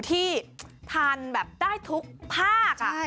ที่ทานแบบได้ทุกภาค